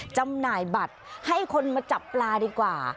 จำหน่ายบัตรให้คนมาจับปลาดีกว่า